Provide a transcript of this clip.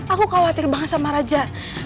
aku khawatir banget sama raja